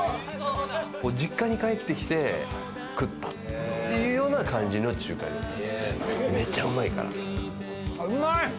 実家に帰ってきて食ったっていうような感じの中華料理屋さん。